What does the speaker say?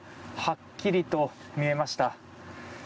はっきりと見えました。